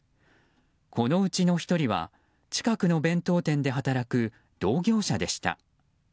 このうちの１人は近くの弁当店で働く同業者でした。